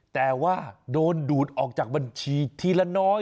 แต่ว่าโดนดูดออกจากบัญชีทีละน้อย